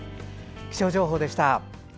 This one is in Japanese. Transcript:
気象情報でした。